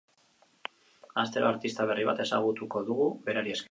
Astero artista berri bat ezagutuko dugu berari esker.